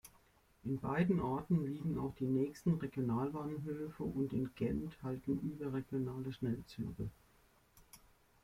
In beiden Orten liegen auch die nächsten Regionalbahnhöfe und in Gent halten überregionale Schnellzüge.